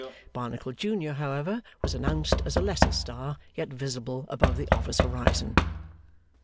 Barnacle Junior, however, was announced as a lesser star, yet visible above the office horizon.